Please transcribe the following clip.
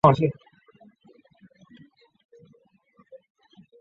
少花溲疏为虎耳草科溲疏属下的一个变种。